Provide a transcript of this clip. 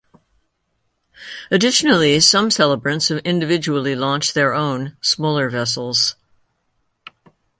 Additionally, some celebrants individually launch their own, smaller, vessels.